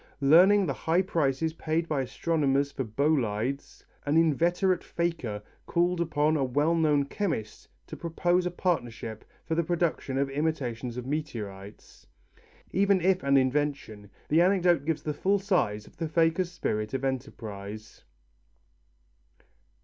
Learning the high prices paid by astronomers for bolides, an inveterate faker called upon a well known chemist to propose a partnership for the production of imitations of meteorites. Even if an invention, the anecdote gives the full size of the faker's spirit of enterprise.